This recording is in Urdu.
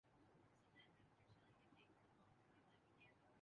جبکہ یوشیدا کے حصے میں کانسی کا تمغہ آیا